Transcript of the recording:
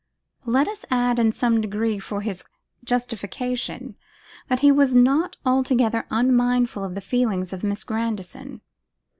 Let us add, in some degree for his justification, that he was not altogether unmindful of the feelings of Miss Grandison.